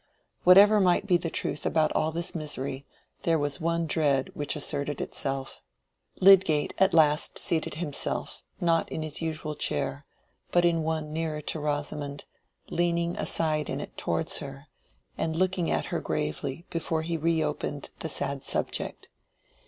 Whatever might be the truth about all this misery, there was one dread which asserted itself. Lydgate at last seated himself, not in his usual chair, but in one nearer to Rosamond, leaning aside in it towards her, and looking at her gravely before he reopened the sad subject.